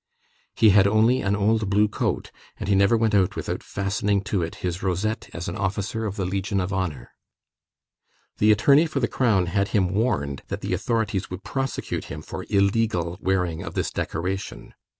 He had only an old blue coat, and he never went out without fastening to it his rosette as an officer of the Legion of Honor. The Attorney for the Crown had him warned that the authorities would prosecute him for "illegal" wearing of this decoration.